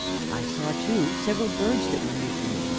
_ I saw, too, several birds that were new to me.